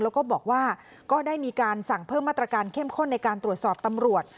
แล้วก็บอกว่าก็ได้มีการสั่งเพิ่มมาตรการเข้มข้นในการตรวจสอบตำรวจ